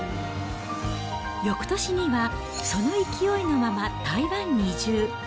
よくとしには、その勢いのまま台湾に移住。